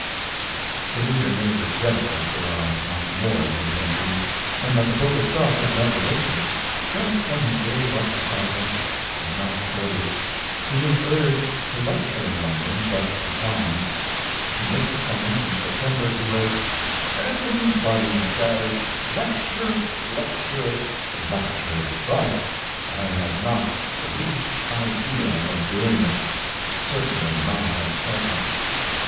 The reader may regret that there are not more of these entries, and that the book itself was never written. Just when he gave up the project is not recorded. He was urged to lecture in London, but declined. To Mrs. Clemens, in September, he wrote: Everybody says lecture, lecture, lecture, but I have not the least idea of doing it; certainly not at present.